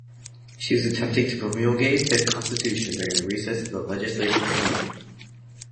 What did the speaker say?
She was attempting to promulgate the constitution during the recess of the legislative assembly.